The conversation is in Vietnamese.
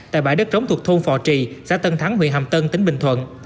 tại bãi đất trống thuộc thôn phò trì xã tân thắng huyện hàm tân tỉnh bình thuận